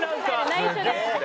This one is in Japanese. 内緒で。